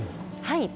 はい。